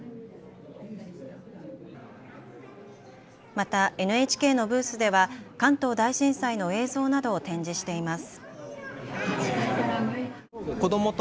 またＮＨＫのブースでは関東大震災の映像などを展示しています。